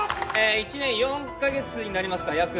１年４か月になりますか約。